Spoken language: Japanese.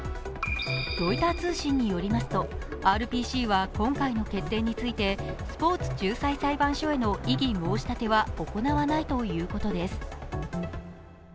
ロイター通信によりますとＲＰＣは今回の決定についてスポーツ仲裁裁判所への異議申し立ては行わないということです。